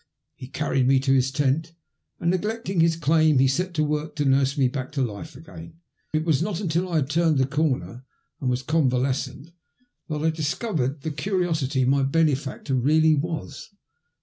He carried me to his tent, and, neglecting his claim, set to work to nurse me back to life again. It was not until I had turned the comer and was convalescent 6 THE LUST OF HATE. that I discovered the cariosity my benefactor really was.